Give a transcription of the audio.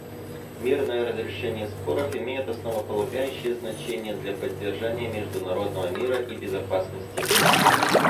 Мирное разрешение споров имеет основополагающее значение для поддержания международного мира и безопасности.